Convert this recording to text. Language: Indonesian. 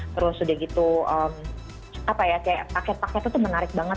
terus udah gitu apa ya kayak paket paketnya tuh menarik banget